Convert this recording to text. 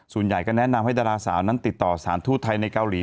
ส่วนใหญ่ก็แนะนำให้ดาราสาวนั้นติดต่อสถานทูตไทยในเกาหลี